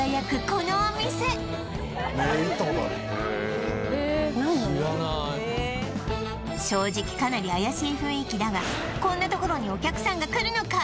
へえ正直かなり怪しい雰囲気だがこんなところにお客さんが来るのか？